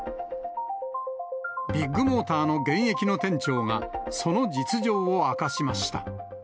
ビッグモーターの現役の店長が、その実情を明かしました。